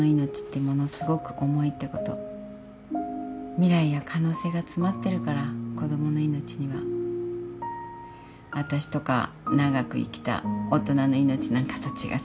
未来や可能性が詰まってるから子供の命には。あたしとか長く生きた大人の命なんかと違って。